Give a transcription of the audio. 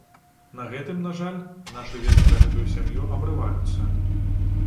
На гэтым, на жаль, нашы веды пра гэтую сям'ю абрываюцца.